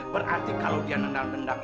berarti kalau dia nendang nendang